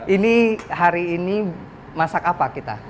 ini hari ini masak apa kita